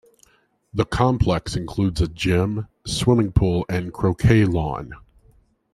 The complex includes a gym, swimming pool and croquet lawn.